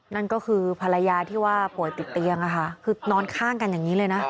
นั่นก็คือภรรยาที่ว่าป่วยติดเตียงคือนอนข้างกันอย่างนี้เลยนะ